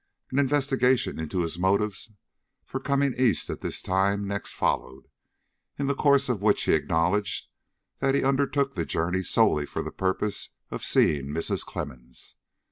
An investigation into his motives for coming East at this time next followed, in the course of which he acknowledged that he undertook the journey solely for the purpose of seeing Mrs. Clemmens.